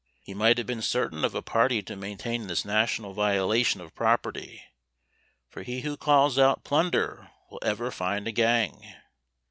He might have been certain of a party to maintain this national violation of property; for he who calls out "Plunder!" will ever find a gang.